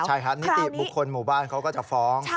ใช่ครับนิติบุคคลหมู่บ้านเขาก็จะฟ้อง